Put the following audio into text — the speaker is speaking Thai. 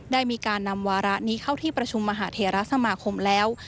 ได้มีการนำวาระนี้เข้าที่ประชุมมหาเทราสมาคมแล้ว